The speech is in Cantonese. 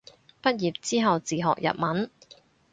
畢業之後自學日文